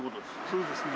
そうですね。